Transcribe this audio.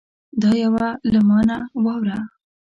دا یوه له ما نه واوره